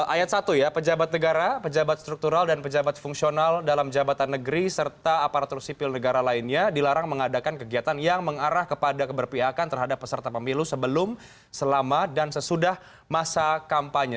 ayat satu ya pejabat negara pejabat struktural dan pejabat fungsional dalam jabatan negeri serta aparatur sipil negara lainnya dilarang mengadakan kegiatan yang mengarah kepada keberpihakan terhadap peserta pemilu sebelum selama dan sesudah masa kampanye